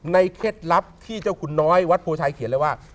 เคล็ดลับที่เจ้าคุณน้อยวัดโพชัยเขียนเลยว่า